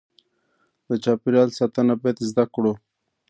د چاپیریال ساتنه باید زده کړو.